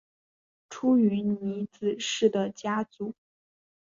出云尼子氏的家祖。